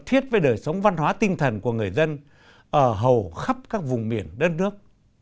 thiết với đời sống văn hóa tinh thần của người dân ở hầu khắp các vùng miền đất nước